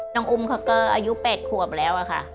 น้องอุ้มเขาก็อายุ๘ขวบแล้วอะค่ะ